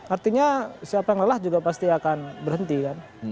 artinya siapa yang lelah juga pasti akan berhenti kan